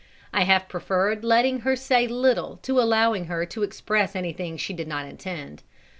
I have preferred letting her say little to allowing her to express anything she did not intend.